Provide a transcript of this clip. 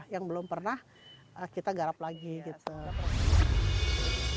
yang belum pernah kita garap lagi gitu